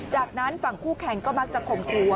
จากนั้นฝั่งคู่แข่งก็มักจะข่มขู่